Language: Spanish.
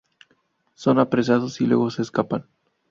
Son apresados y luego se escapan.